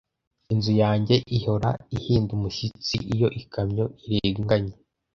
Inzu yanjye ihora ihinda umushyitsi iyo ikamyo irenganye.